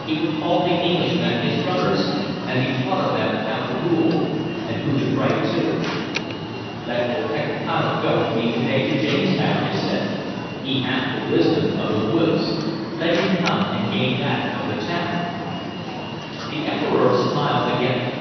He would call the Englishmen his brothers, and be taught of them how to rule, and who to pray to" "Let Opechancanough go with me to day to Jamestown," I said. "He hath the wisdom of the woods; let him come and gain that of the town." The Emperor smiled again.